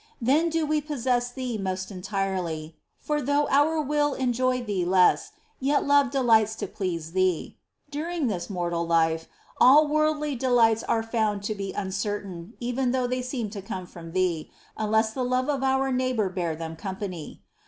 Then do we possess Thee most entirely, for, though our will enjoy Thee less, yet love delights to please Thee, During this mortal life, all worldly delights are found to be uncertain even though they seem to come from Thee, unless the love of our neighbour bear them company.